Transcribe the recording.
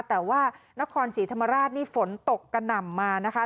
แต่ว่านครศรีธรรมราชนี่ฝนตกกระหน่ำมานะคะ